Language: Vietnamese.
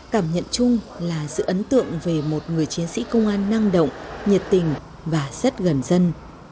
cảm nhận chung là sự ấn tượng về một người chiến sĩ công an năng động nhiệt tình và rất gần dân